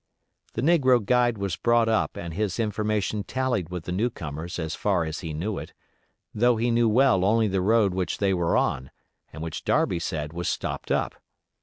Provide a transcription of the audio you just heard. The negro guide was brought up and his information tallied with the new comer's as far as he knew it, though he knew well only the road which they were on and which Darby said was stopped up.